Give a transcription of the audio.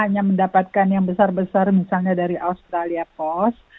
hanya mendapatkan yang besar besar misalnya dari australia post